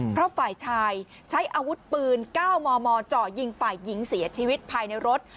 เพราะฝ่ายชายใช้อาวุธปืน๙มมเจาะยิงฝ่ายหญิงเสียชีวิตภายในรถ